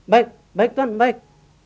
baik baik tuhan baik